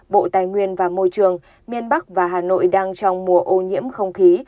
bộ tài nguyên và môi trường miền bắc và hà nội đang trong mùa ô nhiễm không khí